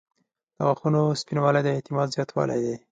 • د غاښونو سپینوالی د اعتماد زیاتوالی دی.